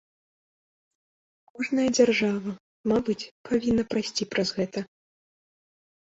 Кожная дзяржава, мабыць, павінна прайсці праз гэта.